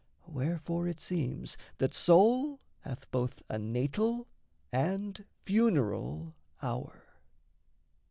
Wherefore it seems that soul Hath both a natal and funeral hour.